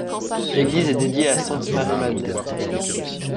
L'église est dédiée à sainte Marie-Madeleine.